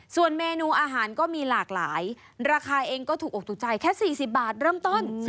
ส่วนเมนูอาหารก็มีหลากหลายราคาเองก็ถูกอกถูกใจแค่๔๐บาทเริ่มต้น